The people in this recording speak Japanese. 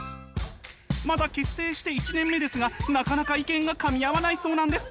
まだ結成して１年目ですがなかなか意見がかみ合わないそうなんです。